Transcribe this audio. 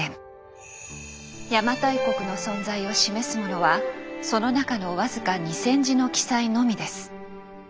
邪馬台国の存在を示すものはその中の僅か２，０００字の記載のみです。